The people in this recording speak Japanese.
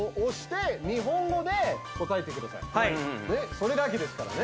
それだけですからね。